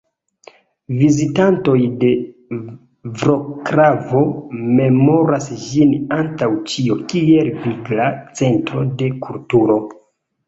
Vizitantoj de Vroclavo memoras ĝin antaŭ ĉio kiel vigla centro de kulturo.